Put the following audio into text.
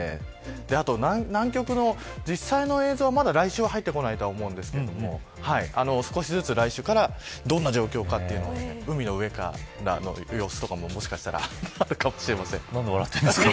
あと南極の実際の映像はまだ来週は入ってこないと思うんですけど少しずつ来週からどんな状況かを海の上からの様子とかももしかしたらあるかもしれません。